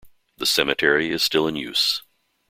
The cemetery is still in use.